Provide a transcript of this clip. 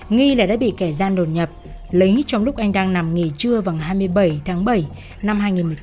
nghi là đã bị kẻ gian đồn nhập lấy trong lúc anh đang nằm nghỉ trưa vòng hai mươi bảy tháng bảy năm hai nghìn một mươi tám